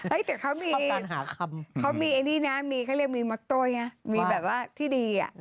ไม่แต่เขามีเขามีไอ้นี่นะเขาเรียกมีโมโต้อย่างนี้มีแบบว่าที่ดี